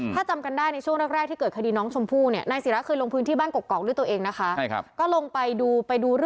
ถ้าจำกันได้ในช่วงแรกที่เกิดคดีน้องชมพู่เนี่ย